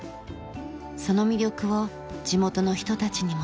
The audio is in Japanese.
その魅力を地元の人たちにも知ってほしい。